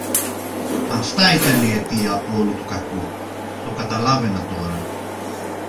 Αυτά ήταν η αιτία όλου του κακού, το καταλάβαινα τώρα